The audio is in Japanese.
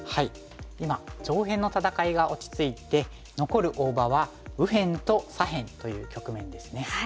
今上辺の戦いが落ち着いて残る大場は右辺と左辺という局面ですね。